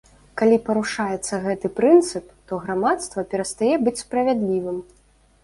Калі парушаецца гэты прынцып, то грамадства перастае быць справядлівым.